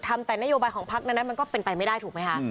ทำแต่นโยบายของพักนั้นมันก็เป็นไปไม่ได้ถูกไหมคะ